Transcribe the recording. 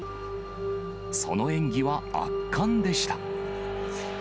その演技は圧巻でした。